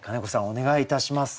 お願いいたします。